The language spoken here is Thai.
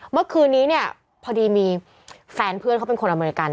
เมื่อคืนนี้เนี่ยพอดีมีแฟนเพื่อนเขาเป็นคนอเมริกัน